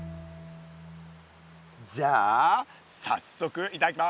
じゃあさっそくいただきます。